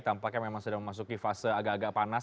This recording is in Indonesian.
tampaknya memang sudah memasuki fase agak agak panas